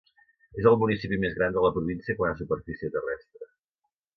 És el municipi més gran de la província quant a superfície terrestre.